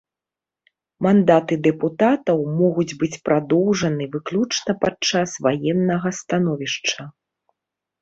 Мандаты дэпутатаў могуць быць прадоўжаны выключна падчас ваеннага становішча.